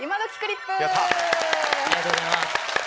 ありがとうございます！